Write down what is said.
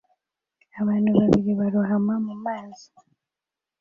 Abantu babiri barohama mumazi